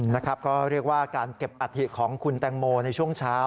นะครับก็เรียกว่าการเก็บอัฐิของคุณแตงโมในช่วงเช้า